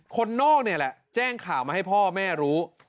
คนนอกนี่แหละแจ้งข่าวมาให้พ่อแม่รู้